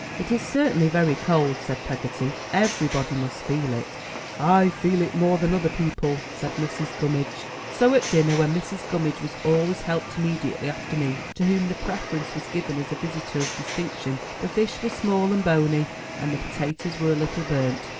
"It is certainly very cold," said Peggotty. "Everybody must feel it." "I feel it more than other people," said Mrs. Gummidge. Ill MY BOOK HOUSE So at dinner, when Mrs. Gummidge was always helped immediately after me, to whom the preference was given as a visitor of distinc tion. The fish were small and bony, and the potatoes were a little burnt.